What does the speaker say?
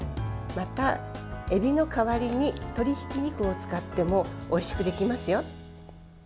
また、えびの代わりに鶏ひき肉を使ってもおいしくできますよ。